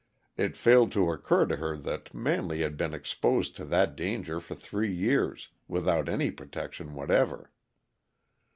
It failed to occur to her that Manley had been exposed to that danger for three years, without any protection whatever.